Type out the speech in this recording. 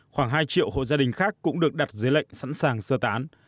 khoảng hai triệu hộ gia đình khác cũng được đặt dưới lệnh sẵn sàng sơ tán